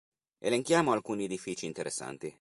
Elenchiamo alcuni edifici interessanti.